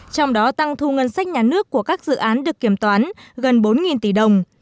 trong đó tăng thu ngân sách nhà nước của các dự án được kiểm toán gần bốn tỷ đồng